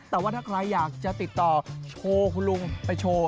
แต่ว่าถ้าใครอยากจะติดต่อโชว์คุณลุงไปโชว์